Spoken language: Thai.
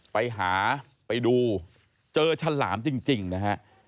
ไปหาไปดูเจอฉลามจริงนะฮะ